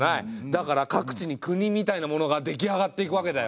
だから各地に国みたいなものが出来上がっていくわけだよ。